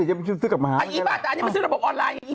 จะไปซื้อกับหมาไหมล่ะอันนี้มันจะเป็นระบบออนไลน์ไง